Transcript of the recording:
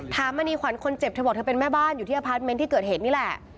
มณีขวัญคนเจ็บเธอบอกเธอเป็นแม่บ้านอยู่ที่อพาร์ทเมนต์ที่เกิดเหตุนี่แหละ